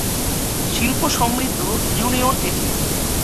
শিল্প সমৃদ্ধ ইউনিয়ন এটি।